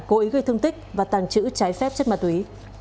cố ý gây thương tích và tàng trữ trái phép chất ma túy